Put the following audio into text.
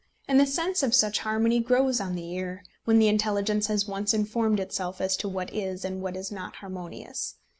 And the sense of such harmony grows on the ear, when the intelligence has once informed itself as to what is, and what is not harmonious.